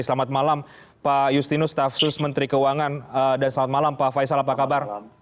selamat malam pak justinus stafsus menteri keuangan dan selamat malam pak faisal apa kabar